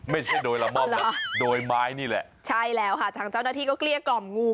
ไม่ใช่โดยละม่อมนะโดยไม้นี่แหละใช่แล้วค่ะทางเจ้าหน้าที่ก็เกลี้ยกล่อมงู